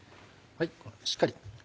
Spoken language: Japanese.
しっかり。